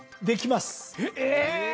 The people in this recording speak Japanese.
できますえ！